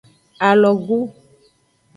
Alogu.